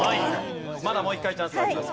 まだもう一回チャンスはあります。